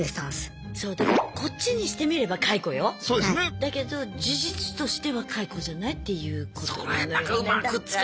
だけど事実としては解雇じゃないっていうことなのよね。